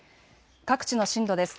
各地の震度です。